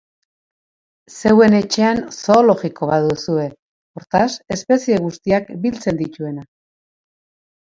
Zeuen etxean zoologiko bat duzue, hortaz, espezie guztiak biltzen dituena...